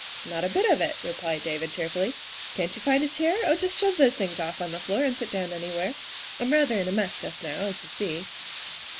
" Not a bit of it," replied David cheerfully. " Can't you find a chair? Oh, just shove those things off on the floor and sit down anywhere. I'm rather in a mess just now, as you see.